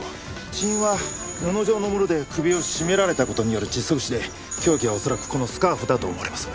死因は布状のもので首を絞められた事による窒息死で凶器は恐らくこのスカーフだと思われます。